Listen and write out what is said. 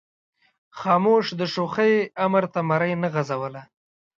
خاموش د شوخۍ امر ته مرۍ نه غځوله.